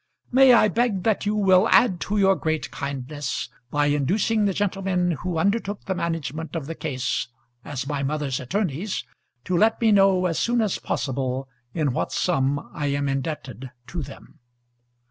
May I beg that you will add to your great kindness by inducing the gentlemen who undertook the management of the case as my mother's attorneys to let me know as soon as possible in what sum I am indebted to them?